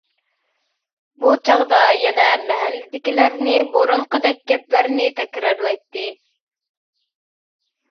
بۇ چاغدا يەنە مەھەللىدىكىلەرنى بۇرۇنقىدەك گەپلەرنى تەكرارلايتتى.